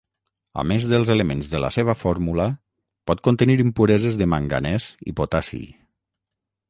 A més dels elements de la seva fórmula, pot contenir impureses de manganès i potassi.